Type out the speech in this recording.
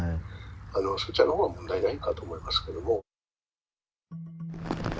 そちらのほうは問題ないかと思いますけれども。